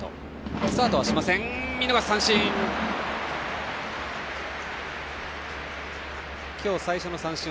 見逃し三振。